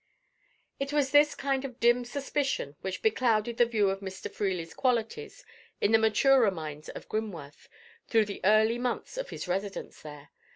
It was this kind of dim suspicion which beclouded the view of Mr. Freely's qualities in the maturer minds of Grimworth through the early months of his residence there.